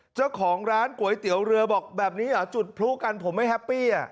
เจ้าของร้านก๋วยเตี๋ยวเรือบอกแบบนี้เหรอจุดพลุกันผมไม่แฮปปี้